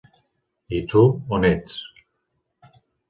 I tu, on ets?